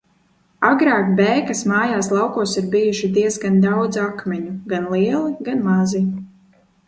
Agrāk Bēkas mājās laukos ir bijuši diezgan daudz akmeņu, gan lieli, gan mazi.